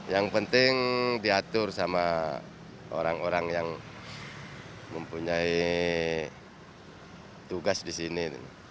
yang penting diatur sama orang orang yang mempunyai tugas di sini